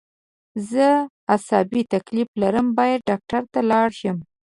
زه عصابي تکلیف لرم باید ډاکټر ته لاړ شم